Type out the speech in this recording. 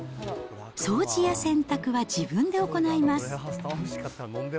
掃除や洗濯は自分で行います。